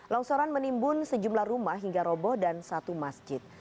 longsoran menimbun sejumlah rumah hingga roboh dan satu masjid